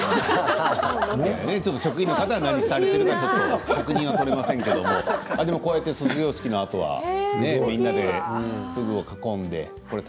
職員の方は何をされてるか確認はできませんけど卒業式のあとはみんなでふぐを囲んで。